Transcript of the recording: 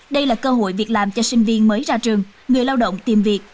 đây là cơ hội việc làm cho sinh viên mới ra trường người lao động tìm việc